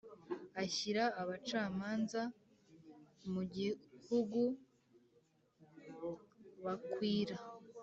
Ashyira abacamanza mu gihugu bakwira